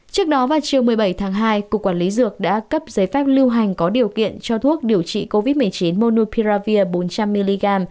trước đó vào chiều một mươi bảy tháng hai cục quản lý dược đã cấp giấy phép lưu hành có điều kiện cho thuốc điều trị covid một mươi chín monupiravir bốn trăm linh mg